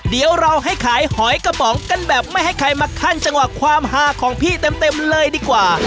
เดี๋ยวเราให้ขายหอยกระป๋องกันแบบไม่ให้ใครมาขั้นจังหวะความหาของพี่เต็มเลยดีกว่า